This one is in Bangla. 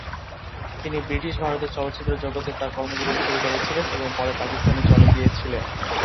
তিনি ব্রিটিশ ভারতে চলচ্চিত্র জগতে তার কর্মজীবন শুরু করেছিলেন এবং পরে পাকিস্তানে চলে গিয়েছিলেন।